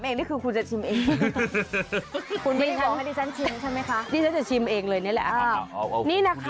มีเห็ดมีหนอนไม้